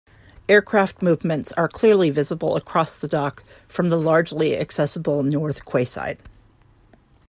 Aircraft movements are clearly visible across the dock from the largely accessible north quayside.